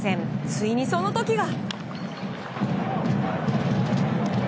ついに、その時が。